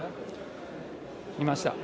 いました。